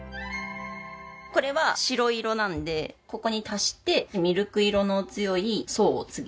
これは白色なんでここに足してミルク色の強い層を次作ります。